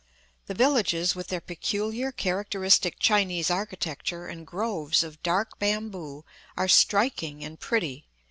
The villages, with their peculiar, characteristic Chinese architecture and groves of dark bamboo, are striking and pretty.